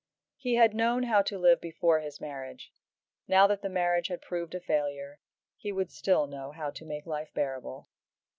He had known how to live before his marriage; now that the marriage had proved a failure, he would still know how to make life bearable.